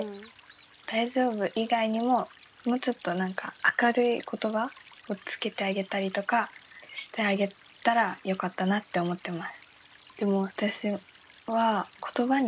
「大丈夫」以外にももうちょっとなんか明るい言葉をつけてあげたりとかしてあげたらよかったなって思ってます。